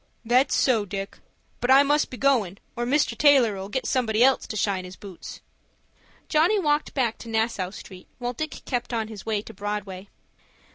"That's so, Dick. But I must be goin', or Mr. Taylor'll get somebody else to shine his boots." Johnny walked back to Nassau Street, while Dick kept on his way to Broadway.